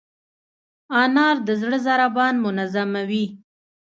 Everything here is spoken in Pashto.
انار د زړه ضربان منظموي.